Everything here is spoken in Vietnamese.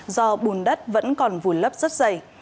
do bùn đất vẫn còn vùn lấp rất dày